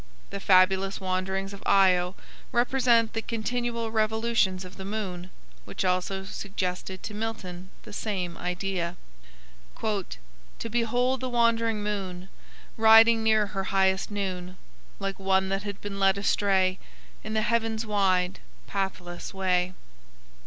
The fabulous wanderings of Io represent the continual revolutions of the moon, which also suggested to Milton the same idea. "To behold the wandering moon Riding near her highest noon, Like one that had been led astray In the heaven's wide, pathless way."